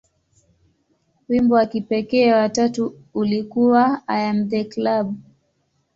Wimbo wa kipekee wa tatu ulikuwa "I Am The Club".